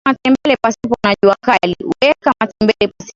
weka matembele pasipo na jua kali